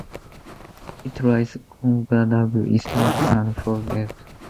It rises in Kodagu district and flows eastward.